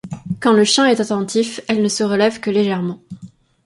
Quand le chien est attentif, elles ne se relèvent que légèrement.